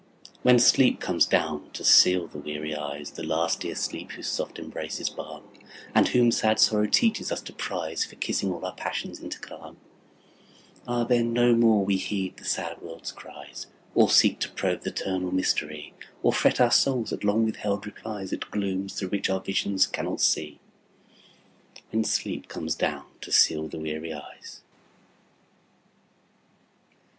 When sleep comes down to seal the weary eyes, The last dear sleep whose soft embrace is balm, And whom sad sorrow teaches us to prize For kissing all our passions into calm, Ah, then, no more we heed the sad world's cries, Or seek to probe th' eternal mystery, Or fret our souls at long withheld replies, At glooms through which our visions cannot see, When sleep comes down to seal the weary eyes.